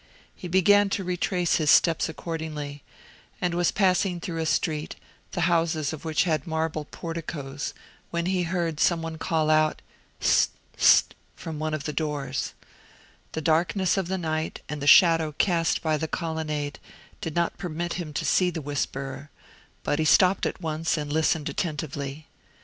He began to retrace his steps accordingly; and was passing through a street, the houses of which had marble porticoes, when he heard some one call out, "Hist! hist!" from one of the doors. The darkness of the night, and the shadow cast by the colonnade, did not permit him to see the whisperer; but he stopped at once, and listened attentively.